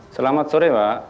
selamat sore mbak